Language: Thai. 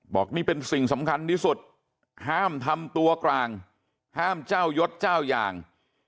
บอกนี่เป็นสิ่งสำคัญที่สุดห้ามทำตัวกลางห้ามเจ้ายศเจ้าอย่าง